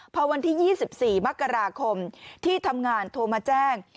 พอวันที่๒๔มกราคมที่ทำงานโทรมาแจ้ง